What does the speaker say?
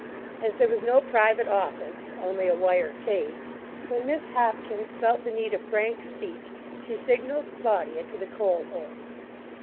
As there was no private office (only a wire cage), when Miss Hopkins felt the need of frank speech she signaled Claudia to the coal hole.